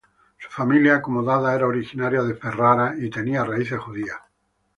Su familia, acomodada, era originaria de Ferrara y tenía raíces judías.